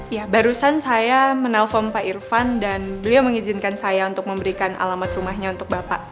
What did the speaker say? ya barusan saya menelpon pak irfan dan beliau mengizinkan saya untuk memberikan alamat rumahnya untuk bapak